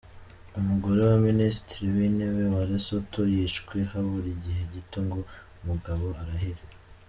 Umugore wa Minisitiri w’ intebe wa Lesotho yishwe habura igihe gito ngo umugabo arahire.